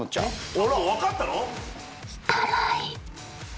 あら分かったの？